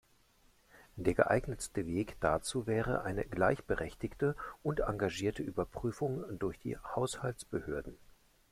Der geeignetste Weg dazu wäre eine gleichberechtigte und engagierte Überprüfung durch die Haushaltsbehörden.